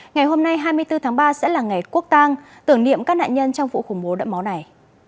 ngày hôm nay hai mươi bốn tháng ba sẽ là ngày quốc tang tưởng niệm các nạn nhân trong vụ khủng bố đẫm máu này